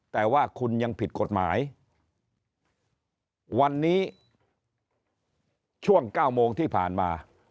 แต่ว่าคุณยังผิดกฎหมายวันนี้ช่วง๙โมงที่ผ่านมา